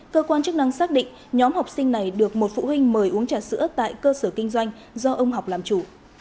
cơ quan chức năng xác định nhóm học sinh này được một phụ huynh mời uống trà sữa tại cơ sở kinh doanh do ông học làm chủ